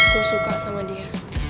gue suka sama dia